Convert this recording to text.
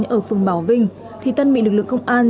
ở phường bảo vinh thì tân bị lực lượng công an